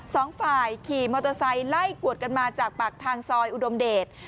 สองฝ่ายขี่มอเตอร์ไซค์ไล่กวดกันมาจากปากทางซอยอุดมเดช